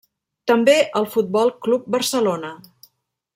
També al Futbol Club Barcelona.